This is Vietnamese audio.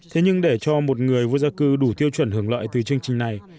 thế nhưng để cho một người vô gia cư đủ tiêu chuẩn hưởng lợi từ chương trình này